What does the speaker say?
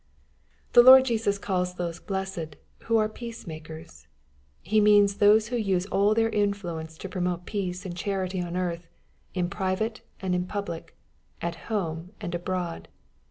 The Lord Jesus calls those blessed, who are peaces makers. He means ihose who use all their influence to promote peace and charity on earth, in private and in public, at home and abroad.